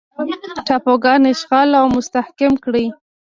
ټاپوګان اشغال او مستحکم کړي.